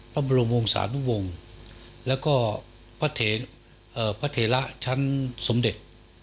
พระบรมวงศานุวงศ์แล้วก็พระเถระชั้นสมเด็จ